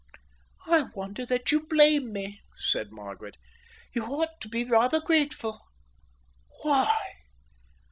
"I wonder that you blame me," said Margaret. "You ought to be rather grateful." "Why?"